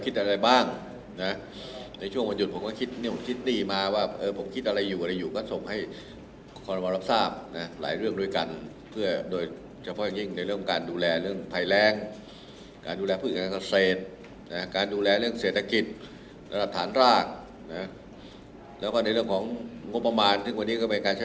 ส่วนซึ่งต้องรับรายการให้ทันให้แล้วเสร็จ